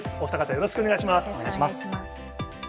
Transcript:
よろしくお願いします。